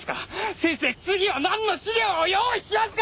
先生次は何の資料を用意しますか？